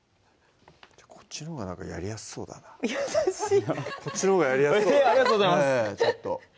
こっちのほうがやりやすそうだな優しいこっちのほうがやりやすそうありがとうございます